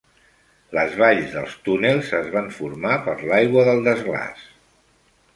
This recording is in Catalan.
Les valls dels túnels es van formar per l'aigua del desglaç.